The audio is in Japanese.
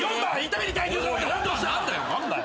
何だよ。